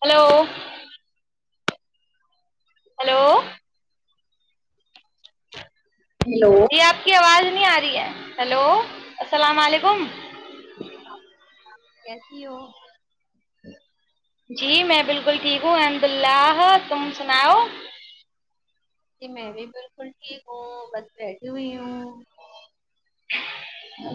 hello hello hello یہ آپ کی آواز آ رہی ہے ہیلو السلام علیکم کیسی ہو جی میں بالکل ٹھیک ہوں الحمد اللہ تمم سناؤ ج میں بھی بالکل ٹھیک ہوں بیٹھی ہوئی ہوں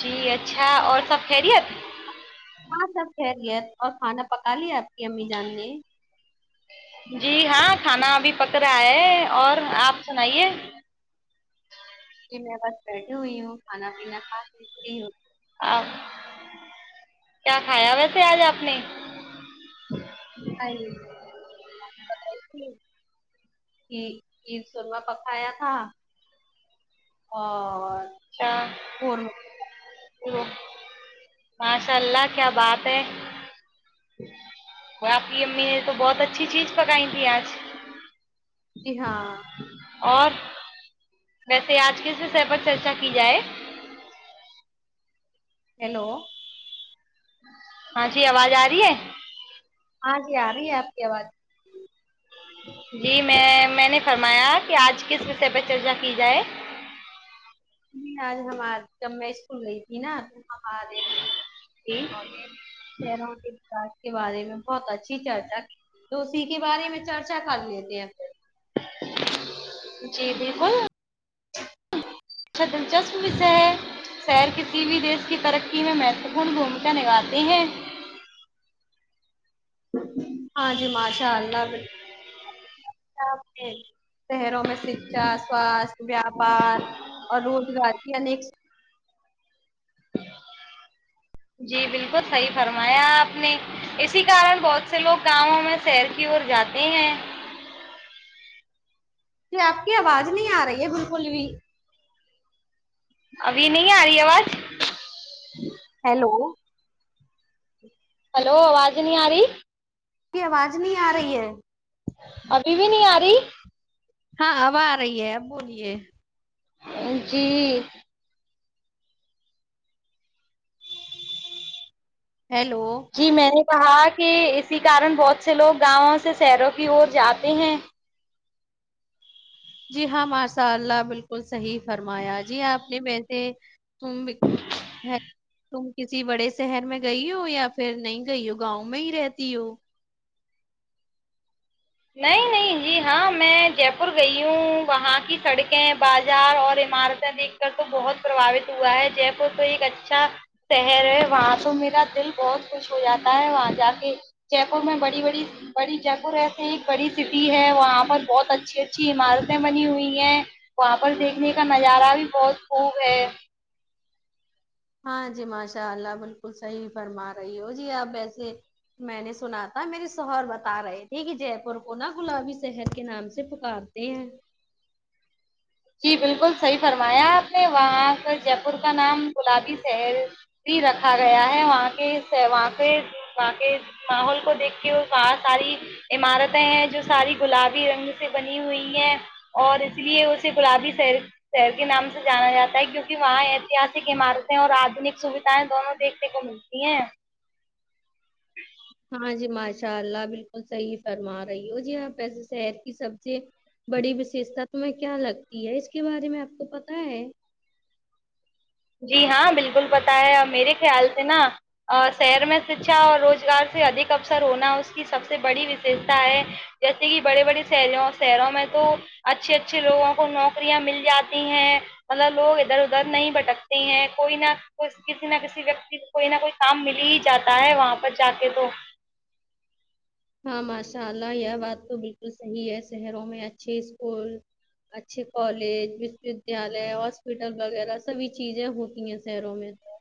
جی اچھا اچھا اور سب خیریت ہاں سب کہہرییا اور کھانا پکا لیا آپ کی امی جان نے جی ہاں کھانا ابھی پک رہا ہے اور آپ سنائیے کہ میں بس بیٹھی ہوئی ہوں کھانا پینا کھا بیتی رہی ہوں آ کیا کھایا ویسے آج آپ نے ع عید سرمہ پکایا تھا اور [inaudible] قورمہ ماشاء اللہ کیا بات ہے آپ کی امی نے تو بہت اچھی چیز پکائی تھی آج جی ہاں [inaudible] ویسے آج کس وشے پر چرچا کی جائے ہیلو ہاں جی آواز آ رہی ہے ہاں جی آ رہی ہے آپ کی آواز جی میں میں نے فرمایا کہ آج کس وشے پہ چرچا کی جائے ج آج ہم آج جب میں اسکول رہی تھی نا جی [inaudible] کے بارے میں بہت اچھی چرچا تو اسی کے بارے میں چرچا کر لیتے ہیں پھر جی بالکل اچھا دلچسپ وشے ہے شہر کسی بھی دیش کی ترقی میں مہتوپورن بھومکا نبھاتے ہیں ہاں جی ماشاء اللہ بالکل شہروں میں شکھا سواستھ ویاپار اور روزگار کی انیک جی بالکل صحی فرمایا آپ نے اسی کارن بہت سے لوگ کاموں میں شہر کی اور جاتے ہیں جو آپ کی آواز نہیں آ رہی ہے بالکل بھی ابھی نہیں آ رہی آواز ہیلو ہلو آواز نہیں آ رہی اس کی آواز نہیں آ رہی ہے ابھی بھی نہیں آ رہی ہاں اب آ رہی ہے اب بولیے جی ہیلو جی میں نے کہا کہ اسی کارن بہت سے لوگ گاؤں سے شہروں کی اور جاتے ہیں جی ہاں ماشاء اللہ بالکل صحیح فرمایا جی آپ نے ا [inaudible] ت بھی کسی بڑے شہر میں گئی ہو یا پھر نہیں گئی ہو گاؤں میں ہی رہتی ہو نہیں نہیں جی ہاں میں جے پور گئی ہوں وہاں کی سڑکیں بازار اور عمارتیں دیکھ کر تو بہت پرباوت ہوا ہے جے پور تو ایک اچھا شہر ہے وہاں تو میرا دل بہت خوش ہو جاتا ہے وہاں جا کے جے پور میں بڑی بڑی بڑی جے پور ہے ایک بڑی سٹی ہے وہاں پر بہت اچھی اچھی عمارتیں بنی ہوئی ہیں وہاں پر دیکھنے کا نظارہ بھی بہت خوب ہے ہاں جی ماشاء اللہ بالکل صحیح فرما رہی ہو جی آپ ویسے میں نے سنا تھا میری سوہر بتا رہے تھے کہ جے پور کو نا گلابی شہر کے نام سے پکارتے ہیں جی بالکل صحیح فرمایا آپ نے وہاں کا جے پور کا نام گلابی شہر بھی رکھا گیا ہے وہاں کے وہاں پہ وہ کے ماحول کو دیکھ کے ب ساری عمارتیں ہیں جو ساری گلابی رنگ سے بنی ہوئی ہیں اور اس لیے اس گلابی شر شہر کے نام سے جانا جاتا ہے کیونکہ وہاں ایتہاسک عمارتیں اور آدنک سوھائیں دونوں دیکھنے کو ملتی ہیں ہاں جی ماشاء اللہ بالکل صحیح فرما رہی ہو جی آپ ایسے شہر کی سب سے بڑی وششتا تہیں کیا لگتی ہے اس کے بارے میں آپ کو پتا ہے جی ہاں بالکل پت ہے میرے خیال سے نا شہر میں شکھا اور روزگار سے ادھک اوسر ہونا اس کی سب سے بڑی وششتا ہے جیسے کہ بڑے بڑے ش شہروں میں تو اچھے اچھے لوگوں کو نوکریاں مل جاتی ہیں مطلب لوگ ادھر ادھر نہیں بھٹکتے کوئی نہ کسی نہ کسی ویکتی کو کوئی نہ کوئی کام مل ہی جاتا ہے وہاں پر جا کے تو ہاں ماشاء اللہ یہ بات تو بالکل صحیح ہے شہروں میں اچھے اسکول اچھے کالج وشو ودیالیہ ہاسپٹل وغیرہ سبھی چیزیں ہوتی ہیں شہروں میں تو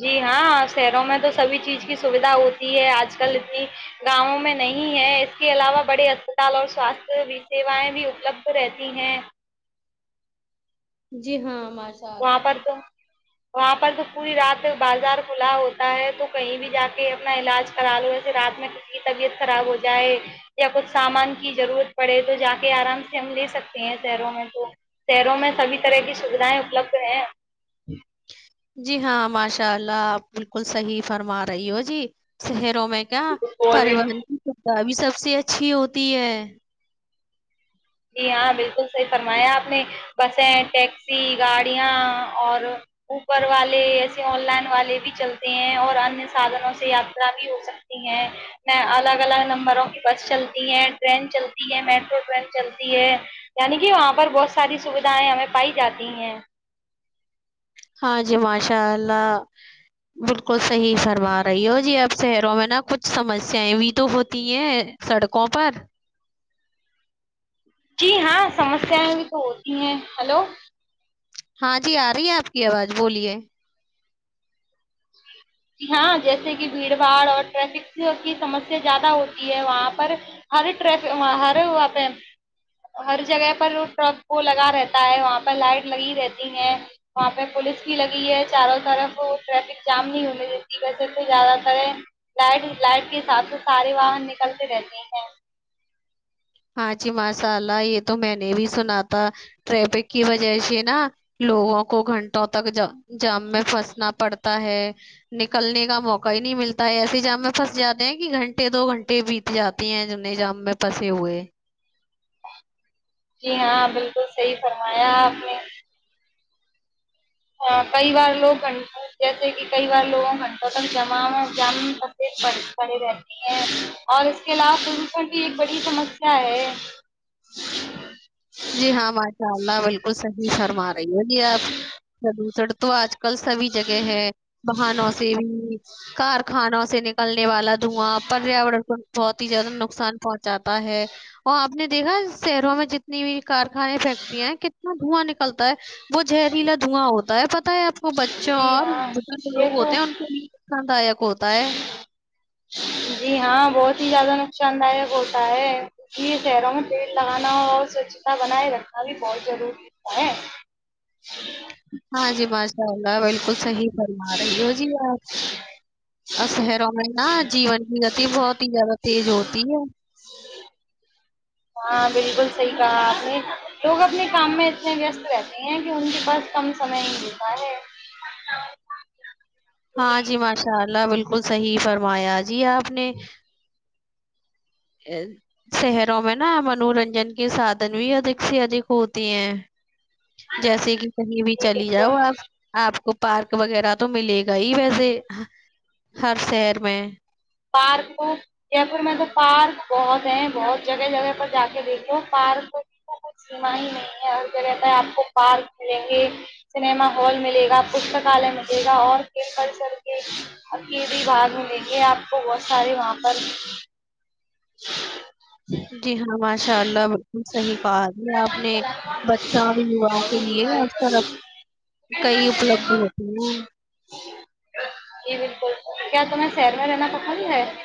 جی ہاں شہروں میں تو سبھی چیز کی سویدھا ہوتی ہے آج کل اتنی گاؤوں میں نہیں ہے اس کے علاوہ بڑے اسپتال اور سواستھ سیوائیں بھی اپلبھ رہتی ہیں جی ہاں سا سال وہاں پر تو وہاں پر تو پوری رات بازار کھلا ہوتا ہے تو کہیں بھی جا کے اپنا علاج کرا لو جسے رات میں ک کی طبیعت خراب ہو جائے یا کچھ سامان کی ضرورت پڑے تو جا کے آرام سے ہم لے سکتے ہیں شہروں میں تو شہروں میں سھی طرح کی سیدھائیں اپلبھ رہ ہیں جی ہاں ماشاء اللہ آپ بالکل صحیح فرما رہی ہو جی صر میں کیا فون ایک پریوار بھی سب سے اچھی ہوتی ہے جی ہاں بالکل صحیح فرمایا آپ نے بسیں ٹیکسی گاڑیاں اور اوپر والے ایسے آن لائن والے بھی چلتے ہیں اور انیہ سادھنوں سے یاترا بھی ہو سکتی ہیں میں الگ الگ نمبروں کی بس چلتی ہیں ٹرین چلتی ہے میٹرو ٹرین چل یعنی کہ وہاں پر بہت ساری سویدھیں ہمیں پائی جاتی ہیں ہاں جی ماشاء اللہ بالکل صحیح فرما رہی ہو جی آپ شہروں میں نا کچھ سمسیایں بھی تو ہوتی ہیں سڑکوں پر جی ہاں سمسیایں بھی تو ہوتی ہیں ہلو ہاں جی آ رہی ہے آپ کی آواز بولیے ہاں جیسے کہ بھیڑ بھاڑ اور ٹریفک کی سمسیا زیادہ ہوتی ہے وہاں پر ہرٹ ہر وہاں پہ ہر جگہ پر ٹرک وہ لگا رہتا ہے وہاں پہ لائٹ لگی رہتی ہے وہاں پہ پولیس بھی لگی ہے چاروں طرف ٹریفک جام نہیں ہو ویسے تو زیادہ تر لائٹ لائٹ کے حساب سے سارے واہن نکلتے رہتے ہیں ہاں جی ماشاء اللہ یہ تو میں نے بھی سنا تھا ٹریفک کی وجہ سے نا لوگوں کو گھنٹوں تک جام میں پھنسنا پڑتا ہے نکلنے کا موقع ہی نہیں ملتا ہے ایسے جام میں پھنس جاتے ہیں کہ گھنٹے دو گھنٹے بیت جاتے ہیں جنے جام میں پھسے ہوئے جی ہاں بالکل صحی فرمایا آپ نے کئی بار لوگ گھنٹ جیسے کہ کئی بار لوگوں گھنٹوں تک جما جام پڑے رہتی ہیں اور اس کے علاوہ پردوشن بھی ایک بڑی سمسیا ہے [unintelligible] جی ہاں ماشاء اللہ بالکل صحی فرما رہی ہو جی آپ سدوسڑ تو آج [unintelligible] کل سبھی جگہ ہے بہنوں سے بھی کارخانوں سے [unintelligible] سے نکلنے [unintelligible] والا دھواں پریاورن کو بہت ہی زیادہ نقصان پہنچاتا ہے وہاں [unintelligible] نے دیکھا شہروں میں جتنا [unintelligible] نہیں [unintelligible] کارخانے فیکٹریاں کتنا دھواں نکلتا ہے وہ زہریلا دھواں ہوتا ہے [unintelligible] د پہ [unintelligible] ہوتا ہے آ کو بچوں جی ہاں اورد جو یہ لوگ تو ہوتے ہیں ان کے لیے سکھ داک ہوتا ہے [unintelligible] جی ہاں بہت ہی زیادہ نقصان دائک ہوتا ہے کیونکہ یہ شہروں میں پیڑ لگانا اور سوچھتا بنائے رکھنا بھی بہت ضروریتا ہے [unintelligible] ہاں جی بس [unintelligible] انشاء اللہ بالکل صحیح فرما رہی ہو جی یار شہروں میں نا جیون کی گتی بہت ہی زیادہ تیز ہوتی ہے [unintelligible] ہاں بالکل صحیح کہا آپ نے لوگ اپنے کام میں اتنے ویست رہتے ہیں کہ ان کے پاس کم سمے ہی ملتا ہے ہاں جی ماشاء اللہ بالکلح فرمایا [unintelligible] جی آپ نے [unintelligible] شہروں میں نا منورنجن کے سادھن بھی ادھک سے ادھک ہوتے ہیں جیسے کہ کہیں بھی جی چلی جاؤ بالکل آپ آپ کو پارک وغیرہ تو ملے گا ہی ویسے ہر شہر میں پارک جے پور میں تو پارک بہت ہے بہت جگہ جگہ پر جا کے دیکھ لو پارک کچھ سیم ہی نہیں ہے ہر جگہتا آپ کو پارک ملیں گے سنیما ہال ملے گا پستکالیہ ملے گا اور کلسر کے کی بھی بھاگ ملیں گے آپ [unintelligible] تو بہت سارے وہاں پر [unintelligible] جی ہاں ماشاء اللہ بالکل صحیح کہا ہے آپ نے بچوں اور یواؤں کے لیے آ طرف کئی اپلبد ہوتے ہیں جی بالکل کیا تمہیں شہر میں جینا [unintelligible] ان ہے [unintelligible]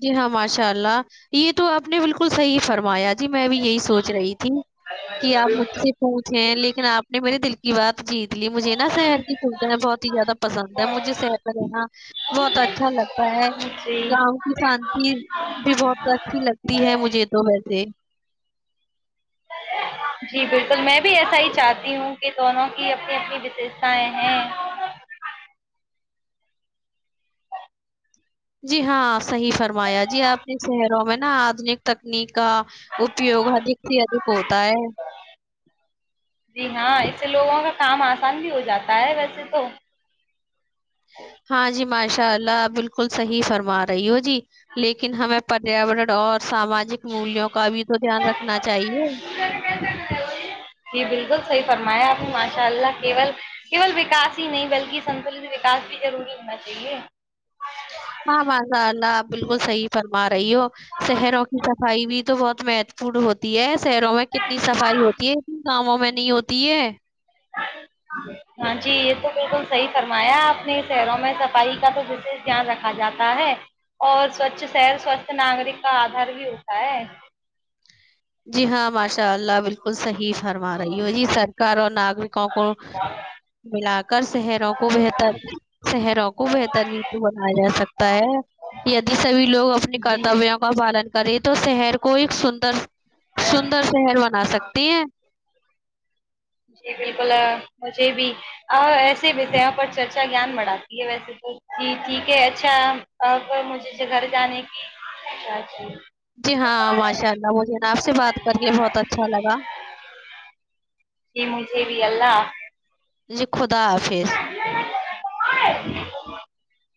جی ہاں ماشاء اللہ یہ تو آپ نے بالکل صحیح فرمایا جی میں بھی یہی سوچ رہی تھی کہ آپ مجھ سے پوچھیں لیکن آپ نے میرے دل [unintelligible] کی بات [unintelligible] جی دلی مجھے نا شہر کی سوھا بہت ہی زیادہ پسند ہے مجھے شہر میں رہنا بہت اچھا لگتا ہے جی گاؤں [unintelligible] شانتی بھی بہت اچھی لگتی ہے مجھے تو ویسے [unintelligible] جی بالکل میں بھی ایسا ہی چاہتی ہوں کہ دونوں کی اپنی اپنی وشیشتاائیں ہیں [unintelligible] جی ہاں صحیح فرمایا جی آنے شہروں میں نا آدنک تکنیک کا اپیوگ ادھک سے ادھک ہوتا ہے [unintelligible] جی ہاں اس سے لوگوں کا کام آسان بھی ہو جاتا ہے ویسے تو ہاں جی ماشاء اللہ بالکل صحیح فرما رہی ہو جی لیکن ہمیں پریاورن اور ساماجک مولوں کا بھی تو دھیان رکھنا چاہیے [unintelligible] جی بالکل صحیح فرمایا آپ ماشاء اللہول کیول وکاس ہی نہیں بلکہ سنتلن وکاس بھی ضروری ہونا چاہیے [unintelligible] ہاں مضا اللہ آپ بالکل صحیح فرما رہی ہو شہروں کی صفائی بھی تو بہت مہتوپورن ہوتی ہے شہروں میں کتنی صفائی ہوتی ہے اتنی گاؤوں میں نہیں ہوتی ہے [unintelligible] ہاں جی یہ تو بالکل صحی فرمایا آ اپنے شہروں میں صفائی کا تو وشش دھیان رکھا جاتا ہے اور سوچھ شہر سوچھ ناگرک کا آدار بھی ہوتا ہے [unintelligible] جی ہاں ماشاء اللہ بالکل صحیح فرما رہی ہو جی سرکار اور ناگرکوں کو ملا کر شہروں کو بہتر شہروں کو بہتر مو بنایا جا سکتا ہے د سبھی لوگ اپنے جی کرتبیوں کا پالن [unintelligible] کرے تو شہر کو ایک سندر [unintelligible] سندر شہر بنا سکتی ہیں [unintelligible] جی بالکل مجھے بھی ایسے بھیسے یہاں پر چرچا گان بڑھاتی ہے ویسے تو جی ٹھیک ہے اچھا مجھے گھر جانے کی ا جی [unintelligible] جی ہاں ماشاء اللہ مجھے نا آپ سے بات کرے بہت اچھا لگا ج مھے بھی اللہ [unintelligible] لکھو [unintelligible] تا پھر [unintelligible] [inaudible]